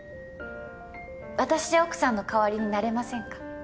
私じゃ奥さんの代わりになれませんか？